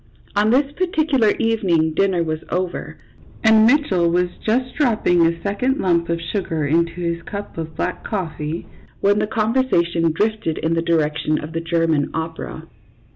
On this particular evening dinner was over, and Mitchell was just dropping a second lump of sugar into his cup of black coffee, when the conver sation drifted in the direction of the German opera.